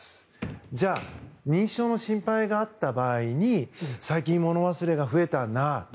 じゃあ認知症の心配があった場合に最近、物忘れが増えたな。